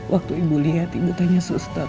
waktu ibu lihat ibu tanya suster